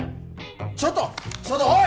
ちょっとちょっとおい！